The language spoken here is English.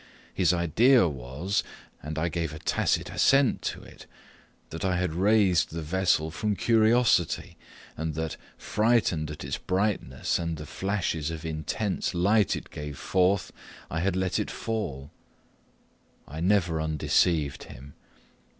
His idea was, and I gave a tacit assent to it, that I had raised the vessel from curiosity, and that, frighted at its brightness, and the flashes of intense light it gave forth, I had let it fall. I never undeceived him.